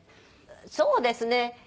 そうですね。